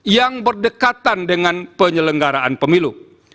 yang berdekatan dengan penyelenggaraan pemilu